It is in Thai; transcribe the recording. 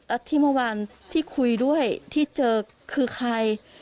อัธิมาวันที่คุยด้วยที่เจอคือใคร